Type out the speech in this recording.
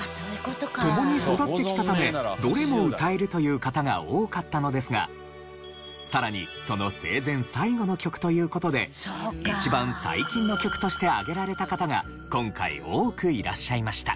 ともに育ってきたためどれも歌えるという方が多かったのですがさらにその生前最後の曲という事で一番最近の曲として挙げられた方が今回多くいらっしゃいました。